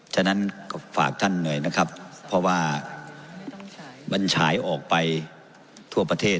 ฉะนั้นก็ฝากท่านหน่อยนะครับเพราะว่ามันฉายออกไปทั่วประเทศ